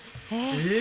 えっ！